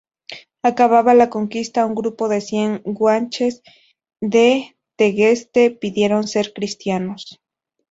Acabada la conquista, un grupo de cien guanches de Tegueste pidieron ser cristianos.